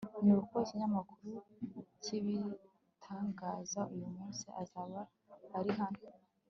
nk'uko ikinyamakuru kibitangaza, uyu munsi azaba ari hano